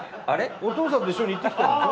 おとうさんと一緒に行ってきたでしょ。